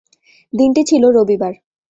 দিনটি ছিল রবিবার।